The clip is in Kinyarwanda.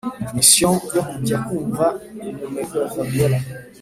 (mission) yo kujya kumva impumeko ya fabiora